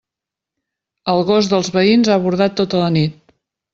El gos dels veïns ha bordat tota la nit.